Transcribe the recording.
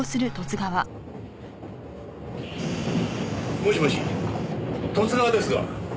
もしもし十津川ですが。